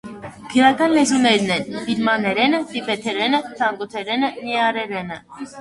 Գրական լեզուներն են բիրմաներենը, տիբեթերենը, թանգութերենը, նեարերենը։